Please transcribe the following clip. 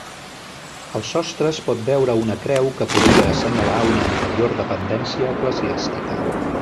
Al sostre es pot veure una creu que podria assenyalar una anterior dependència eclesiàstica.